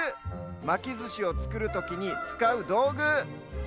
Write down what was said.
まきずしをつくるときにつかうどうぐ。